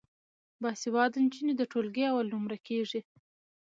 باسواده نجونې د ټولګي اول نمره کیږي.